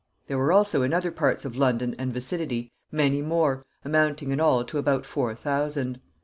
There were also in other parts of London and vicinity many more, amounting in all to about four thousand.